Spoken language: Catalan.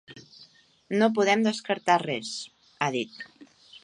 No podem descartar res, ha dit.